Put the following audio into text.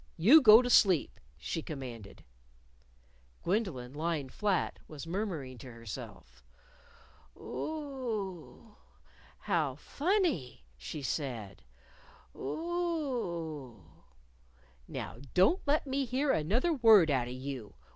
"You go to sleep," she commanded. Gwendolyn, lying flat, was murmuring to herself. "Oo oo! How funny!" she said, "Oo oo!" "Now, don't let me hear another word out of you!"